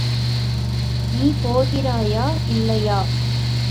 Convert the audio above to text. நீ போகிறாயா, இல்லையா?